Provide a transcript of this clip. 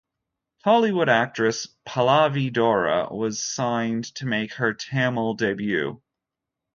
Tollywood actress Pallavi Dora was signed to make her Tamil debut.